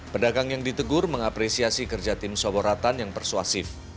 pedagang yang ditegur mengapresiasi kerja tim soboratan yang persuasif